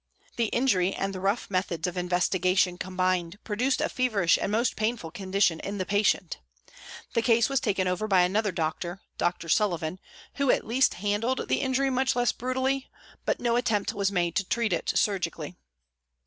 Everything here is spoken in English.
The injury and the rough methods of investigation combined produced a feverish and most painful condition in the patient. The case was taken over SOME TYPES OF PRISONERS 117 by another doctor (Dr. Sullivan) who at least handled the injury much less brutally, but no attempt was made to treat it surgically.